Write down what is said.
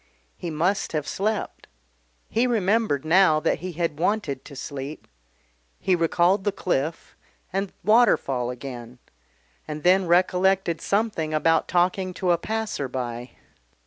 He must have slept. He remembered now that he had wanted to sleep. He recalled the cliff and Waterfall again, and then recollected something about talking to a passer by....